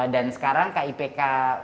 dan sekarang kipk